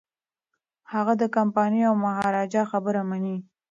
هغه د کمپانۍ او مهاراجا خبره مني.